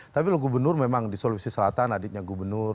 tapi kalau gubernur memang di sulawesi selatan adiknya gubernur